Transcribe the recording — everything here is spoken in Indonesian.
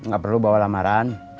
gak perlu bawa lamaran